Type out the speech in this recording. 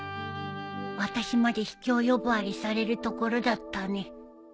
私までひきょう呼ばわりされるところだったね